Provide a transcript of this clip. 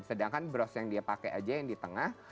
sedangkan bros yang dia pakai aja yang di tengah